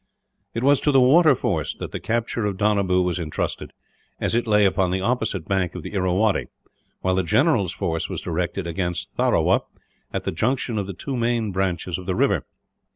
It was to the water force that the capture of Donabew was intrusted, as it lay upon the opposite bank of the Irrawaddy; while the general's force was directed against Tharawa, at the junction of the two main branches of the river.